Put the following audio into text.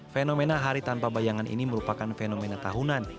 fenomena hari tanpa bayangan ini merupakan fenomena tahunan